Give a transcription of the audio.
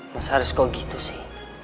mas harus kok gitu sih